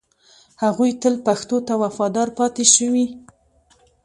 هغوی تل پښتو ته وفادار پاتې شوي